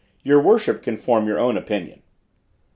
"Your worship can form your own opinion."